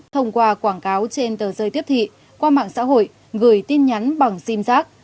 thông qua quảng cáo trên tờ rơi tiếp thị qua mạng xã hội gửi tin nhắn bằng sim giác